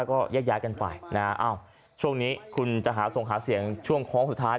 แล้วก็แยกกันไปช่วงนี้คุณจะส่งหาเสียงช่วงคล้องสุดท้าย